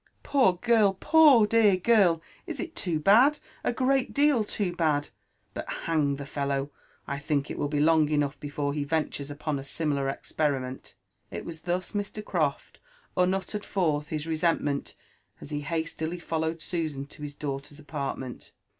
'' Poor girl 1— poor dear girl Ir— it is too bad, a great deal too bad ;— but, hang the fellow ! I think it will be long enough before he ventures upon a similar experiment." It was Jbus Hr. Croft muttered forth his resentment as he hastily followed Susan to his daughter's apartment.